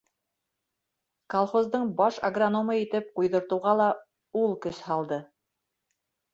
Колхоздың баш агрономы итеп ҡуйҙыртыуға ла ул көс һалды.